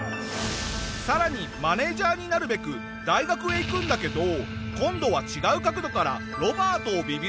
さらにマネジャーになるべく大学へ行くんだけど今度は違う角度からロバートをビビらすぞ！